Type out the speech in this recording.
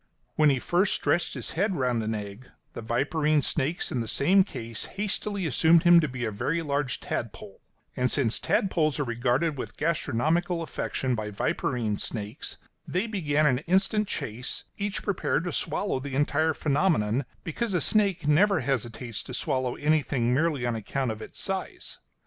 When he first stretched his head round an egg, the viperine snakes in the same case hastily assumed him to be a very large tadpole; and since tadpoles are regarded with gastronomical affection by viperine snakes, they began an instant chase, each prepared to swallow the entire phenomenon, because a snake never hesitates to swallow anything merely on account of its size.